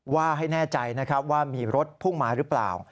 ว่าให้แน่ใจนะครับว่ามีรถพุ่งมาหรือเปล่า